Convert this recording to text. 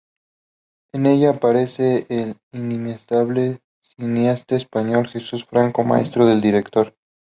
En ella aparece el inimitable cineasta español Jesús Franco, maestro del director.